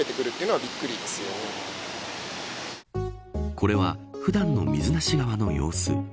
これは、普段の水無川の様子。